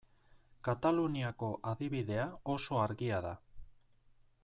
Kataluniako adibidea oso argia da.